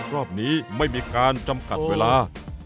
รอบนี้ไม่มีการจำกัดเวลา